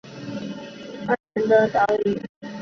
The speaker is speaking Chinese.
东岛是西沙群岛宣德群岛中的第二大的岛屿。